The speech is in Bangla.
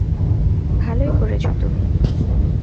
ভালোই করেছো তুমি।